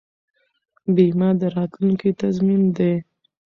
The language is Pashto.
بیمه د راتلونکي تضمین دی.